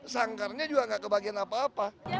sangkarnya juga gak kebagian apa apa